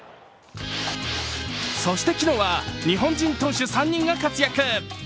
そして昨日は日本人投手３人が活躍。